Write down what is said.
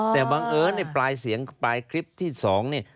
แต่บังเอิญในปลายเสียงปลายคลิปที่๒นี่